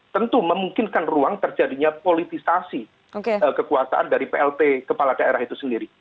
tentu memungkinkan ruang terjadinya politisasi kekuasaan dari plt kepala daerah itu sendiri